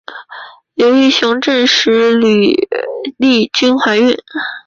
刘銮雄证实吕丽君怀孕。